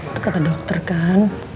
itu kata dokter kan